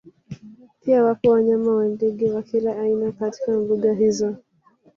Pia wapo wanyama na ndege wa kila aina katika mbuga hizo